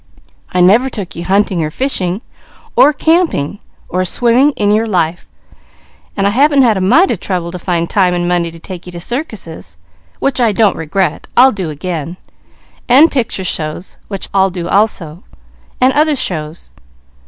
"I never took you hunting, or fishing, or camping, or swimming, in your life; but I haven't had a mite of trouble to find time and money to take you to circuses, which I don't regret, I'll do again; and picture shows, which I'll do also; and other shows.